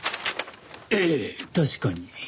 ええ確かに。